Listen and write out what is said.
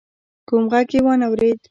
کوم غږ يې وانه ورېد.